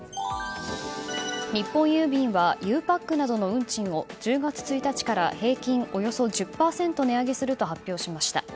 日本郵便はゆうパックなどの運賃を１０月１日から平均およそ１０％値上げすると発表しました。